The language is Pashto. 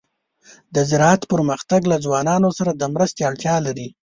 د زراعت پرمختګ له ځوانانو سره د مرستې اړتیا لري.